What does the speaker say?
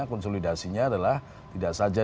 konsolidasinya adalah tidak saja